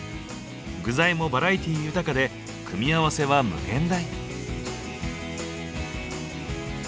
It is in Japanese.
具材もバラエティー豊かで組み合わせは無限大。